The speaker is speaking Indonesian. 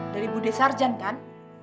dari bu desarjan kan